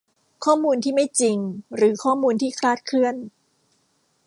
ข้อมูลที่ไม่จริงหรือข้อมูลที่คลาดเคลื่อน